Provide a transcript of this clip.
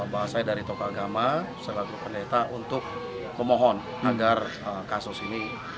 bahasa dari tokoh agama selaku pendeta untuk memohon agar kasus ini